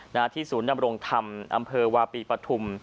หน้าที่ศูนย์ดำรงธรรมอำเภอวาปีปฐุม